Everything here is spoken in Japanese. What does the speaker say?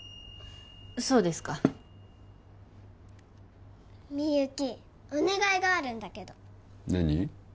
そうですかみゆきお願いがあるんだけど何？